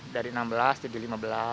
dari enam belas jadi lima belas empat belas